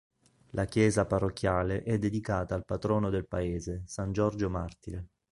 La chiesa parrocchiale è dedicata al patrono del paese, san Giorgio Martire.